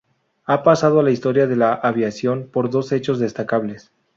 Ha pasado a la historia de la aviación por dos hechos destacables.